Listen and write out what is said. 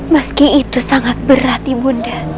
meski itu sangat berat ibunda